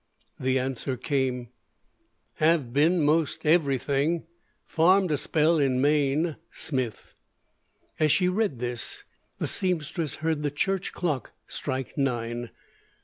_ The answer came: have ben most Every thing farmed a Spel in Maine Smith As she read this, the seamstress heard the church clock strike nine.